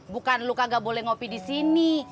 bukan lu kagak boleh ngopi disini